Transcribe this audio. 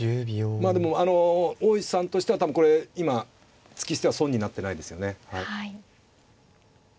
まあでもあの大石さんとしては多分これ今突き捨ては損になってないですよね。